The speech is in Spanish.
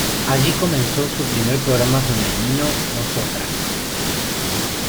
Allí comenzó su primer programa femenino, "Nosotras".